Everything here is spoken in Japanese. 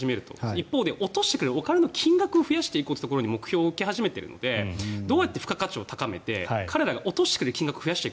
一方で落としてくれるお金の金額を増やすことに目標を変え始めているのでどうやって付加価値をつけて彼らが落としてくれる金額を増やすか。